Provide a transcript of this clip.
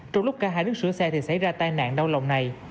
trong lúc cả hai đến sửa xe thì xảy ra tai nạn đau lòng này